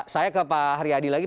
saya ke pak haryadi lagi